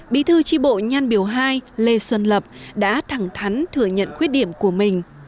bí thư tri bộ nhan biểu hai lê xuân lập đã thẳng thắn thừa nhận khuyết điểm của mình